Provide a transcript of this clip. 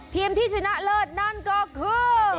ทีมที่ชนะเลิศนั่นก็คือ